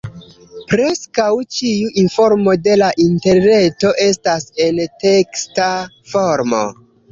Preskaŭ ĉiu informo de la Interreto estas en teksta formo.